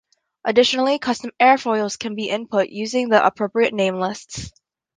Additionally, custom airfoils can be input using the appropriate namelists.